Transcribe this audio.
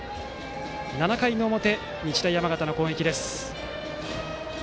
７回の表、日大山形の攻撃です。